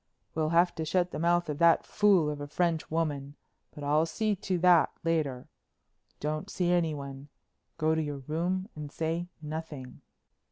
We'll have to shut the mouth of that fool of a French woman, but I'll see to that later. Don't see anyone. Go to your room and say nothing."